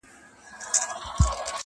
خداى نه چي زه خواست كوم نو دغـــه وي.